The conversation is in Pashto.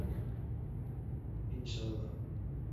ان شاء الله.